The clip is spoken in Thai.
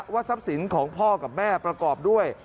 ทรัพย์สินของพ่อกับแม่ประกอบด้วย